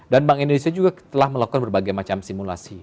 dan bank indonesia juga telah melakukan berbagai macam simulasi